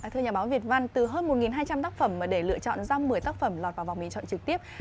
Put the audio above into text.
thưa nhà báo việt văn từ hơn một hai trăm linh tác phẩm để lựa chọn ra một mươi tác phẩm lọt vào vòng bình chọn trực tiếp